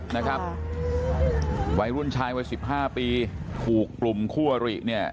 นะครับวัยรุ่นชายวัยสิบห้าปีถูกกลุ่มคู่อริเนี่ย